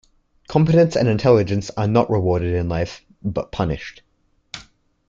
Competence and intelligence are not rewarded in life but punished.